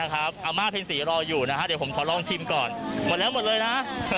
อาม่าเพ็ญศรีรออยู่นะฮะเดี๋ยวผมขอลองชิมก่อนหมดแล้วหมดเลยนะ